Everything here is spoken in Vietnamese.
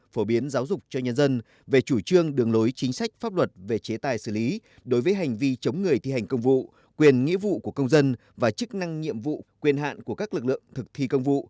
phổ biến giáo dục cho nhân dân về chủ trương đường lối chính sách pháp luật về chế tài xử lý đối với hành vi chống người thi hành công vụ quyền nghĩa vụ của công dân và chức năng nhiệm vụ quyền hạn của các lực lượng thực thi công vụ